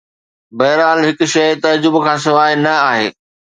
بهرحال، هڪ شيء تعجب کان سواء نه آهي.